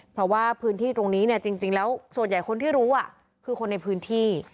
เพราะว่าพื้นที่ตรงนี้เนี่ยจริงแล้วส่วนใหญ่คนที่รู้คือคนในพื้นที่